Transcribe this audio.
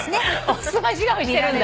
おすまし顔してるんだ。